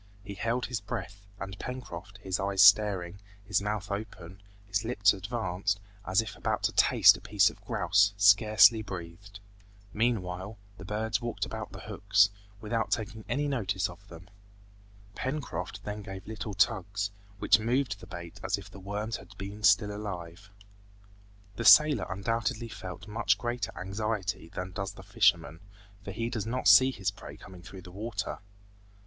He held his breath, and Pencroft, his eyes staring, his mouth open, his lips advanced, as if about to taste a piece of grouse, scarcely breathed. Meanwhile, the birds walked about the hooks, without taking any notice of them. Pencroft then gave little tugs which moved the bait as if the worms had been still alive. The sailor undoubtedly felt much greater anxiety than does the fisherman, for he does not see his prey coming through the water.